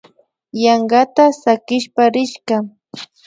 Yankata sakishpa rishka